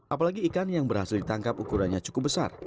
apalagi ikan yang berhasil ditangkap ukurannya cukup besar